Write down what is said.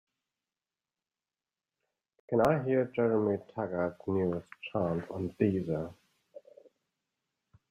Can I hear Jeremy Taggart's newest chant on Deezer?